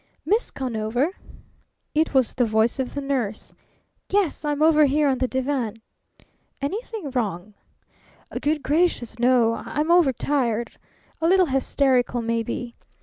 "Miss Conover?" It was the voice of the nurse. "Yes. I'm over here on the divan." "Anything wrong?" "Good gracious, no! I'm overtired. A little hysterical, maybe.